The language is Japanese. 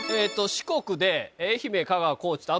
「四国で愛媛香川高知と」